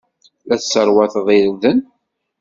La tesserwateḍ irden.